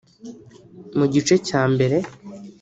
Mu gice cya mbere